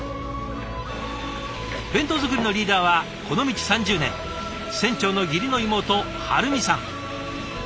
弁当作りのリーダーはこの道３０年船長の義理の妹晴美さん。